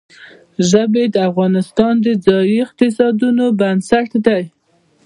ژبې د افغانستان د ځایي اقتصادونو بنسټ دی.